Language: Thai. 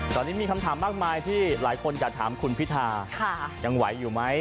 ตอนนี้มีคำถามมากมายที่หลายคนอยากถามคุณพิทายังไหวอยู่ไหม